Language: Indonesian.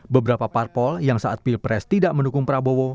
beberapa parpol yang saat pilpres tidak mendukung prabowo